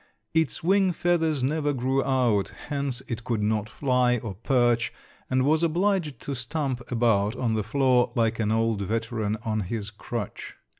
Its wing feathers never grew out, hence it could not fly or perch and was obliged to stump about on the floor like an old veteran on his crutch.